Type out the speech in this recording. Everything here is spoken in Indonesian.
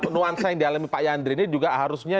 nuansa yang dialami pak yandri ini juga harusnya